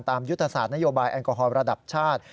ยุทธศาสตร์นโยบายแอลกอฮอล์ระดับชาติ